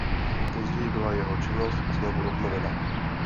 Později byla jeho činnost znovu obnovena.